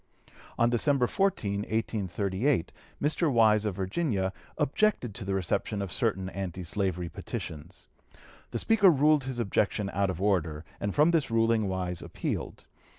On December 14, 1838, Mr. Wise, of Virginia, objected to the reception of certain anti slavery petitions. The Speaker ruled his objection out of order, and from this ruling Wise appealed.